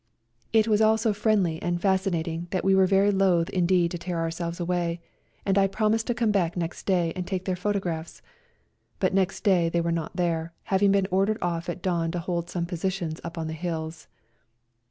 It was all so friendly and A COLD NIGHT RIDE 89 fascinating that we were very loath in deed to tear ourselves away, and I pro mised to come back next day and take their photographs, but next day they were not there, having been ordered off at dawn to hold some positions up on the hills.